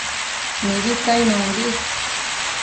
Mibi cainonbi